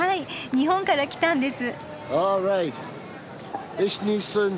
日本から来たんです。